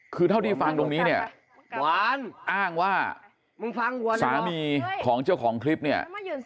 คือเท่าที่ฟังตรงนี้เนี่ยหวานอ้างว่าสามีของเจ้าของคลิปเนี่ย